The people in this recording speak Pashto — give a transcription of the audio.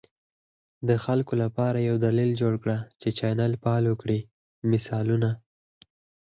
د خلکو لپاره یو دلیل جوړ کړه چې چینل فالو کړي، مثالونه: